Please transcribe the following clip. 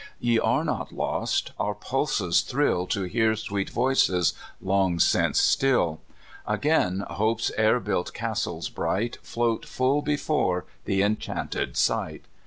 Ye are not lost! Our pulses thrill To hear sweet voices long since still; Again hope's air built castles bright Float full before the enchanted sight.